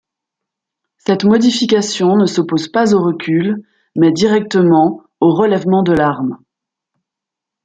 Cette modification ne s'oppose pas au recul, mais directement au relèvement de l'arme.